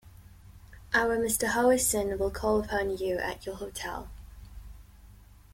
Our Mr Howison will call upon you at your hotel.